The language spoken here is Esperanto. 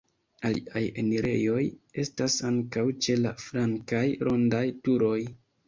Aliaj enirejoj estas ankaŭ ĉe la flankaj rondaj turoj.